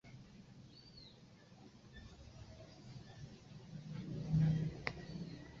Fue descubierto casualmente cuando se comenzó la construcción del Centro Regional de Artesanía.